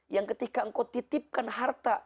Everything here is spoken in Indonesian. yang ketika engkau titipkan harta